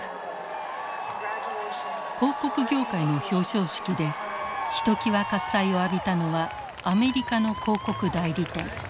広告業界の表彰式でひときわ喝采を浴びたのはアメリカの広告代理店。